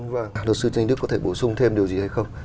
vâng luật sư tranh đức có thể bổ sung thêm điều gì hay không